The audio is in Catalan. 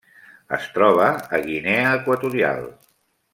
Es troba a Guinea Equatorial.